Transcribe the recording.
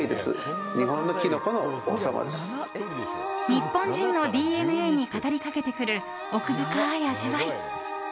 日本人のＤＮＡに語りかけてくる、奥深い味わい。